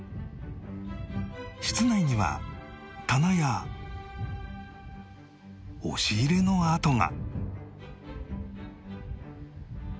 室内には棚や押し入れの跡が